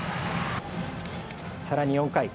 さらに４回。